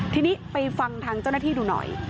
ทีนี้ไปฟังทางเจ้าหน้าที่ดูหน่อย